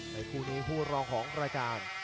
คู่นี้คู่รองของรายการ